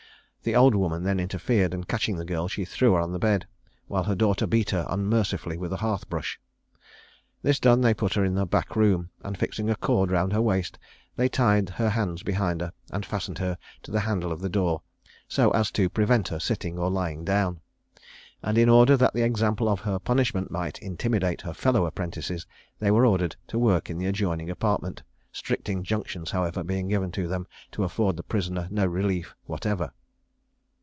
The old woman then interfered, and catching the girl, she threw her on the bed, while her daughter beat her unmercifully with a hearth brush. This done, they put her into a back room, and fixing a cord round her waist, they tied her hands behind her, and fastened her to the handle of the door so as to prevent her sitting or lying down; and in order that the example of her punishment might intimidate her fellow apprentices, they were ordered to work in the adjoining apartment, strict injunctions, however, being given to them to afford the prisoner no relief whatever.